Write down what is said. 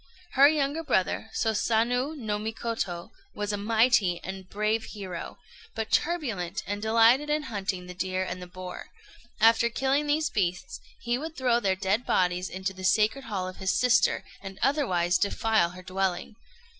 Her younger brother, Sosanöô no Mikoto, was a mighty and a brave hero, but turbulent, and delighted in hunting the deer and the boar. After killing these beasts, he would throw their dead bodies into the sacred hall of his sister, and otherwise defile her dwelling.